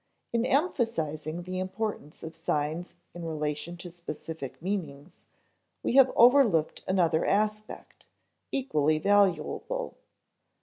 In emphasizing the importance of signs in relation to specific meanings, we have overlooked another aspect, equally valuable.